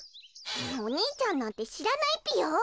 お兄ちゃんなんてしらないぴよ！